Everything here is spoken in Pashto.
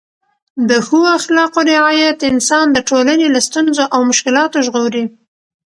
د ښو اخلاقو رعایت انسان د ټولنې له ستونزو او مشکلاتو ژغوري.